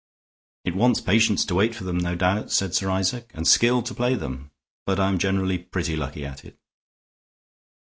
"It wants patience to wait for them, no doubt," said Sir Isaac, "and skill to play them, but I'm generally pretty lucky at it."